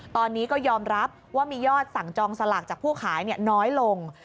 ตอนนี้ก็ยอมรับว่ามียอดสั่งจองสลากจากผู้ขายน้อยลง